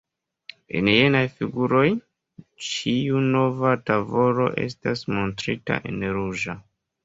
En jenaj figuroj, ĉiu nova tavolo estas montrita en ruĝa.